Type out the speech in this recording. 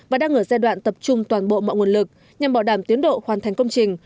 và đang ở giai đoạn tập trung toàn bộ mọi nguồn lực nhằm bảo đảm tiến độ hoàn thành công trình